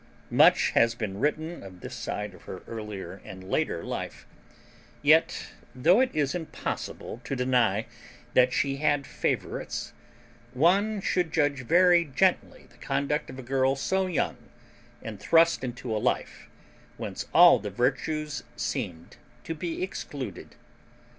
Much has been written of this side of her earlier and later life; yet, though it is impossible to deny that she had favorites, one should judge very gently the conduct of a girl so young and thrust into a life whence all the virtues seemed to be excluded.